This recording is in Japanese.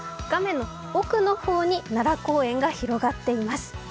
画面の奥の方に奈良公園が広がっています。